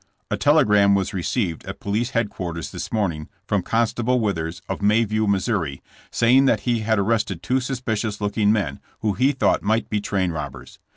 A telegram was received at police headquarters this morning from Constable Withers of Mayview, Mo., saying that he had arrested two suspicious look ing men who he thought might be train robbers.